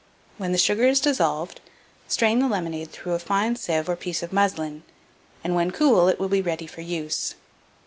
When the sugar is dissolved, strain the lemonade through a fine sieve or piece of muslin, and, when cool, it will be ready for use.